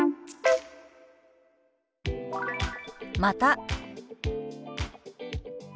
「また」。